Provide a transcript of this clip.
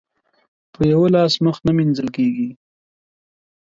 په يوه لاس مخ نه مينځل کېږي.